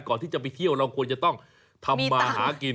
ก่อนที่จะไปเที่ยวเราควรจะต้องทำมาหากิน